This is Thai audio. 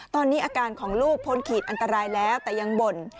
ตอนนี้อาการของลูกพ้นขีดอันตรายแล้วแต่ยังบ่น